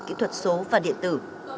kỹ thuật số và điện tử